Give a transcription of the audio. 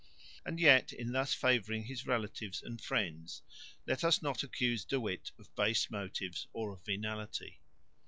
And yet in thus favouring his relatives and friends, let us not accuse De Witt of base motives or of venality.